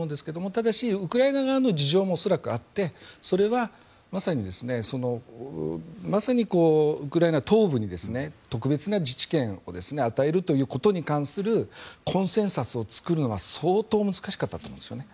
ただしウクライナ側の事情も恐らくあってそれは、まさにウクライナ東部に特別な自治権を与えるということに関するコンセンサスを作るのは相当難しかったと思うんですよね。